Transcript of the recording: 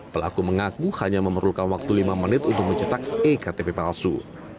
pelaku mengaku hanya memerlukan waktu lima menit untuk mencetak ektp palsu